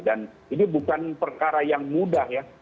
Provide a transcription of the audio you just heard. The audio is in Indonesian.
dan ini bukan perkara yang mudah ya